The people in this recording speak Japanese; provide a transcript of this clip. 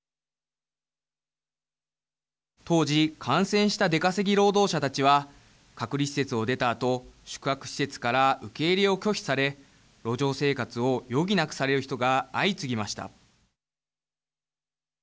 当時感染した出稼ぎ労働者たちは隔離施設を出たあと宿泊施設から受け入れを拒否され路上生活を余儀なくされる人が相次ぎました。